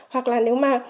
hoặc là nếu mà